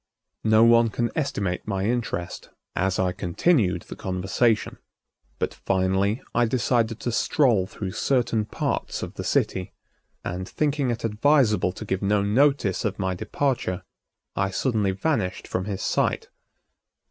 No one can estimate my interest as I continued the conversation. But finally I decided to stroll through certain parts of the city and, thinking it advisable to give no notice of my departure, I suddenly vanished from his sight.